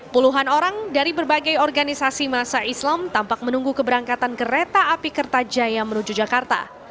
puluhan orang dari berbagai organisasi masa islam tampak menunggu keberangkatan kereta api kertajaya menuju jakarta